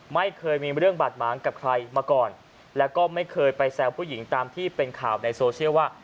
ไม่เคยมีเรื่องบาดหมางกับใครมาก่อนแล้วก็ไม่เคยไปแซวผู้หญิงตามที่เป็นข่าวในโซเชียลว่า